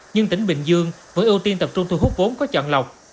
nhưng tỉnh bình dương vẫn ưu tiên tập trung thu hút vốn có chọn lọc